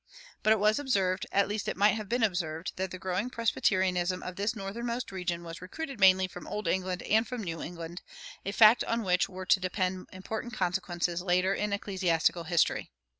But it was observed, at least it might have been observed, that the growing Presbyterianism of this northernmost region was recruited mainly from old England and from New England a fact on which were to depend important consequences in later ecclesiastical history.